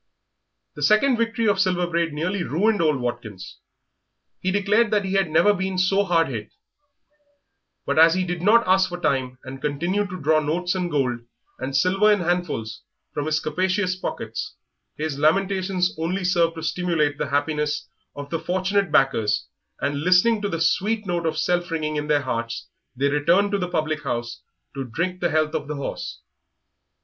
The second victory of Silver Braid nearly ruined old Watkins. He declared that he had never been so hard hit; but as he did not ask for time and continued to draw notes and gold and silver in handfuls from his capacious pockets, his lamentations only served to stimulate the happiness of the fortunate backers, and, listening to the sweet note of self ringing in their hearts, they returned to the public house to drink the health of the horse.